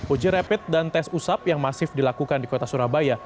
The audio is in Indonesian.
uji rapid dan tes usap yang masif dilakukan di kota surabaya